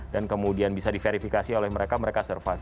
dan kemudian bisa diverifikasi oleh mereka mereka survive